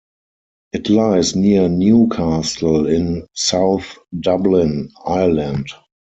It lies near Newcastle, in South Dublin, Ireland.